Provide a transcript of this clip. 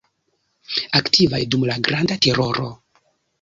Aktivaj dum la Granda teroro.